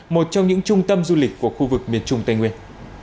một trong những trung tâm du lịch của khu vực miền trung tây nguyên